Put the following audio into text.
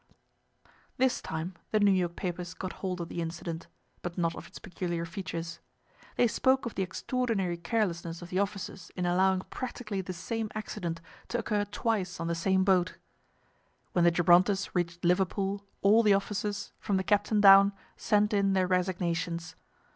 This time the New York papers got hold of the incident, but not of its peculiar features. They spoke of the extraordinary carelessness of the officers in allowing practically the same accident to occur twice on the same boat. When the Gibrontus reached Liverpool all the officers, from the captain down, sent in their resignations.